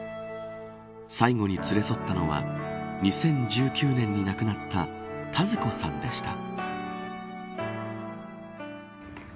最後に連れ添ったのは２０１９年に亡くなった田鶴子さんでした。